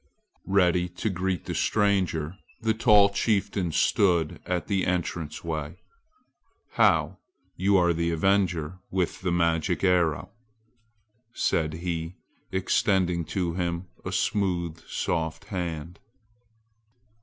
Ready to greet the stranger, the tall chieftain stood at the entrance way. "How, you are the avenger with the magic arrow!" said he, extending to him a smooth soft hand.